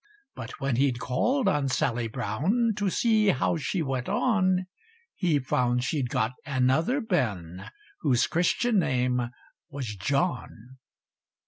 But when he call'd on Sally Brown, To see how she went on, He found she'd got another Ben, Whose Christian name was John.